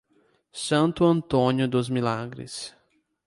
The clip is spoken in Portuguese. Santo Antônio dos Milagres